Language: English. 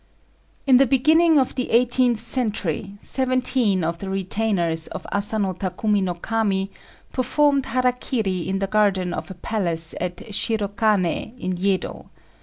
In the beginning of the eighteenth century, seventeen of the retainers of Asano Takumi no Kami performed hara kiri in the garden of a palace at Shirokané, in Yedo.